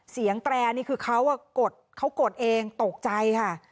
แตรนี่คือเขากดเองตกใจค่ะ